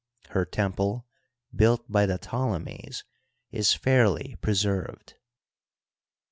Her temple, built by the Ptolemies, is fairly pre served.